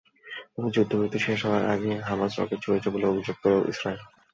তবে যুদ্ধবিরতি শেষ হওয়ার আগেই হামাস রকেট ছুড়েছে বলে অভিযোগ তোলে ইসরায়েল।